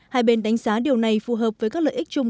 hai bên đánh giá điều này phù hợp với các lợi ích chung